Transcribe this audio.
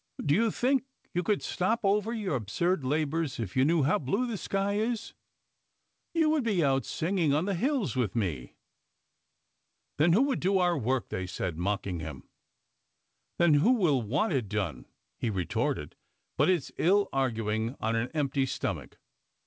" Do you think you could stop over your absurd labours if you knew how blue the sky is ? You would be out singing on the hills with me !"" Then who would do our work ?" they said, mocking him. " Then who would want it done ?" he retorted; but it's ill arguing on an empty stomach.